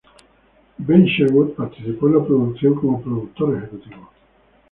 Ben Sherwood participó en la producción como productor ejecutivo.